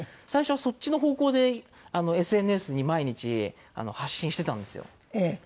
最初はそっちの方向でＳＮＳに毎日発信してたんですよ。